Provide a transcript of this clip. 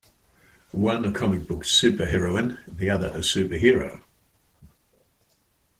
One a comic book superheroine, the other a superhero.